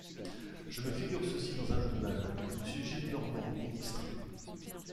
Je me figure ceci dans un journal : Monsieur Gillenormand, ministre !